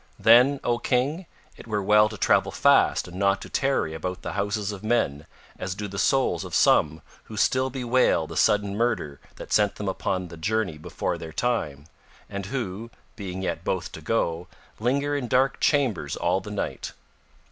Then, O King, it were well to travel fast and not to tarry about the houses of men as do the souls of some who still bewail the sudden murder that sent them upon the journey before their time, and who, being yet loth to go, linger in dark chambers all the night.